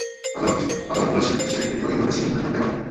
আদালত বলেছেন, দেশের একটি বিভাগ এভাবে জিম্মি হয়ে থাকতে পারে না।